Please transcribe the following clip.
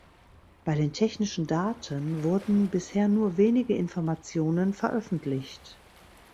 Bei den technischen Daten wurden bisher nur wenige Informationen veröffentlicht.